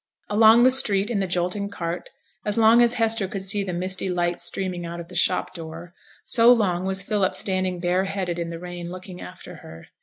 Along the street, in the jolting cart, as long as Hester could see the misty light streaming out of the shop door, so long was Philip standing bareheaded in the rain looking after her.